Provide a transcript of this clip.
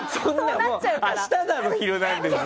明日だろ、「ヒルナンデス！」。